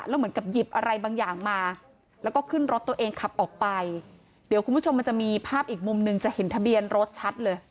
แล้วเหมือนกับหยิบอะไรบางอย่างมาแล้วก็ขึ้นรถตัวเองขับออกไปเดี๋ยวคุณผู้ชมมันจะมีภาพอีกมุมหนึ่งจะเห็นทะเบียนรถชัดเลย